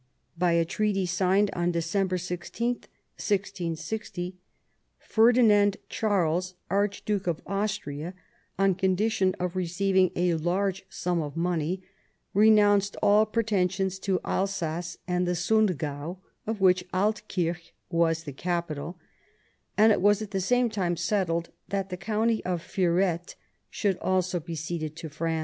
By a treaty signed on December 16, 1660, Ferdinand Charles, Archduke of Austria, on condition of receiving a large sum of money, renounced all pretensions to Alsace and the Sungau (of which Altkirch was the capital), and it was at the same time settled that the county of Ferrette should also be ceded to France.